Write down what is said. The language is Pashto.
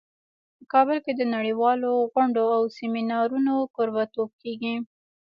په کابل کې د نړیوالو غونډو او سیمینارونو کوربه توب کیږي